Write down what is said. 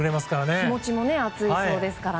気持ちも熱いそうですからね。